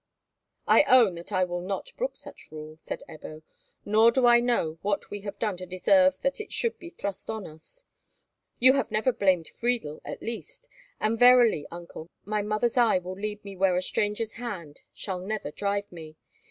"I own that I will not brook such rule," said Ebbo; "nor do I know what we have done to deserve that it should be thrust on us. You have never blamed Friedel, at least; and verily, uncle, my mother's eye will lead me where a stranger's hand shall never drive me.